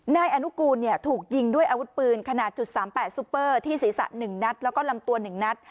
นายอนุกูลเนี่ยถูกยิงด้วยอาวุธปืนขนาดจุดสามแปดซุปเปอร์ที่ศีรษะหนึ่งนัดแล้วก็ลำตัวหนึ่งนัด